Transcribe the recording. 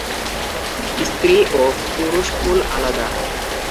স্ত্রী ও পুরুষ ফুল আলাদা।